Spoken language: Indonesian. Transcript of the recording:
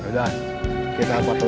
yaudah kita ambil list dulu